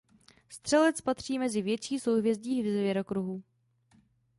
Střelec patří mezi větší souhvězdí zvěrokruhu.